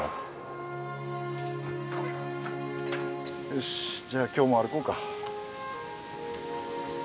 よしじゃあ今日も歩こうか。